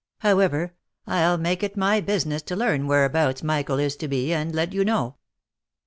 However, I'll make it my business to learn whereabouts Michael is to be, and let you know."